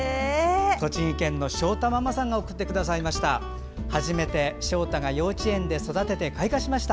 栃木県のしょうたママさんが送ってくださいました。